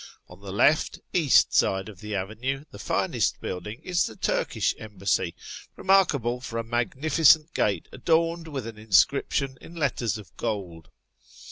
On the left (east) side of the avenue the finest building is the Turkish Embassy, remarkable for a magnificent gate adorned with an inscription in letters of gold.